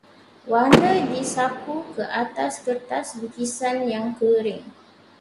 Warna disapu ke atas kertas lukisan yang kering.